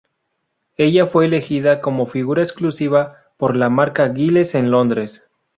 Ella fue elegida como figura exclusiva por la marca Giles en Londres.